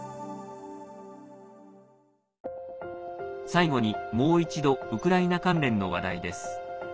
最後にもう一度ウクライナ関連の話題です。